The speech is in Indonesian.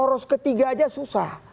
poros ketiga aja susah